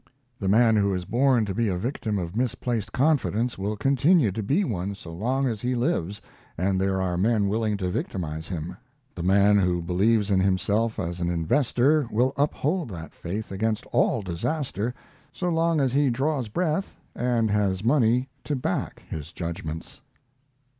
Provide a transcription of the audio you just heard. The man who is born to be a victim of misplaced confidence will continue to be one so long as he lives and there are men willing to victimize him. The man who believes in himself as an investor will uphold that faith against all disaster so long as he draws breath and has money to back his judgments.